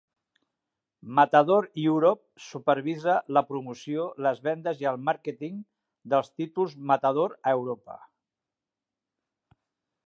Matador Europe supervisa la promoció, les vendes i el màrqueting dels títols Matador a Europa.